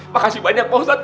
makasih banyak pak ustadz